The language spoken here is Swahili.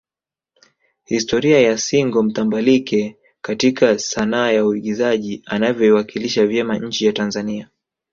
historia ya single mtambalike katika sanaa ya uingizaji anavyoiwakilisha vyema nchi ya Tanzania